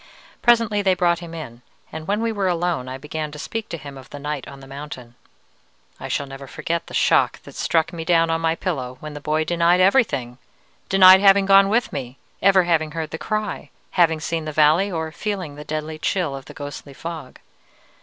Presently they brought him in, and when we were alone I began to speak to him of the night on the mountain. I shall never forget the shock that struck me down on my pillow when the boy denied everything: denied having gone with me, ever having heard the cry, having seen the valley, or feeling the deadly chill of the ghostly fog.